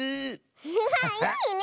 アハハいいね